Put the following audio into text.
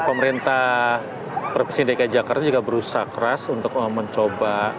pemerintah provinsi dki jakarta juga berusaha keras untuk mencoba